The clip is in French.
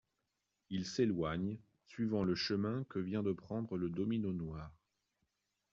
Il s'éloigne, suivant le chemin que vient de prendre le domino noir.